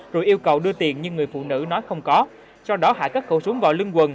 rồi yêu cầu đưa tiền nhưng người phụ nữ nói không có sau đó hải cất khẩu súng vào lưng quần